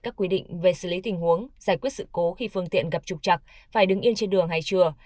các quy định về xử lý tình huống giải quyết sự cố khi phương tiện gặp trục chặt phải đứng yên trên đường hay chưa